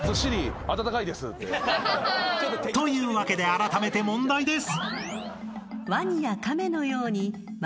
［というわけであらためて問題です］